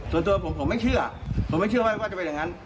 ส่วนตัวผมผมไม่เชื่อผมไม่เชื่อว่าจะเป็นอย่างนั้น